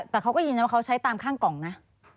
แต่เขาก็ยินนะว่าเขาใช้ตามข้างกล่องนะ